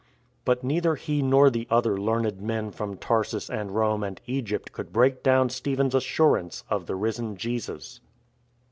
But neither he nor the other learned men from Tarsus and Rome and Egypt could break down Stephen's assurance of the Risen Jesus.